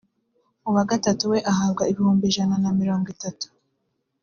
uwa gatatu we ahabwa ibihumbi ijana na mirongo itanu